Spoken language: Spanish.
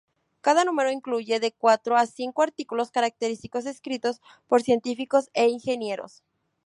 Cada número incluye de cuatro a cinco artículos característicos escritos por científicos e ingenieros.